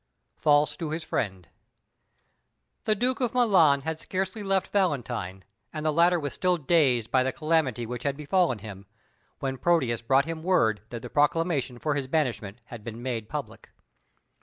[Illustration: "Go, base intruder! Overweening slave!"] False to his Friend The Duke of Milan had scarcely left Valentine, and the latter was still dazed by the calamity which had befallen him, when Proteus brought him word that the proclamation for his banishment had been made public.